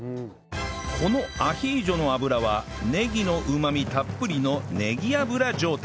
このアヒージョの油はねぎのうまみたっぷりのねぎ油状態